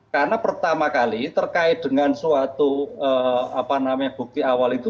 karena pertama kali terkait dengan suatu bukti awal itu